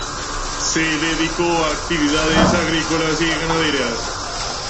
Se dedicó a actividades agrícolas y ganaderas.